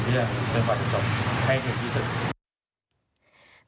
จนกว่าจะจบให้เท็จที่สุด